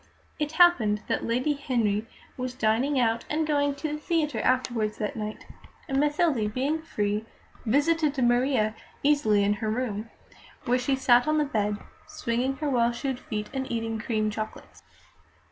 It happened that Lady Henry was dining out and going to the theatre afterwards that night, and Mathilde, being free, visited Maria easily in her room, where she sat on the bed, swinging her well shod feet and eating cream chocolates.